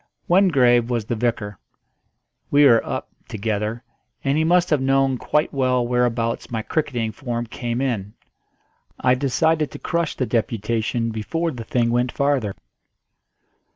Wingrave was the vicar; we were "up" together, and he must have known quite well whereabouts my cricketing form came in. I decided to crush the deputation before the thing went farther.